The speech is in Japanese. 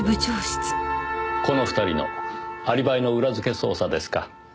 この２人のアリバイの裏づけ捜査ですか。